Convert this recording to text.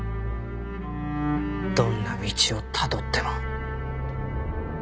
どんな道をたどっても。